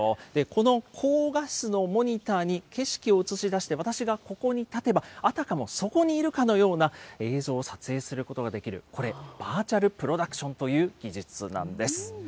この高画質のモニターに景色を映し出して、私がここに立てば、あたかもそこにいるかのような映像を撮影することができる、これ、バーチャルプロダクションという技術なんです。